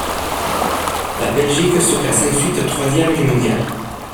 La Belgique se classe ensuite troisième du mondial.